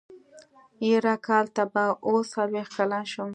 يره کال ته به اوه څلوېښت کلن شم.